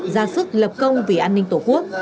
ra sức lập công vì an ninh tổ quốc